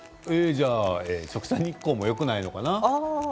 じゃあ直射日光もよくないのかな？